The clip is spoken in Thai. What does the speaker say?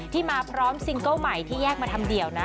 มาพร้อมซิงเกิ้ลใหม่ที่แยกมาทำเดี่ยวนะ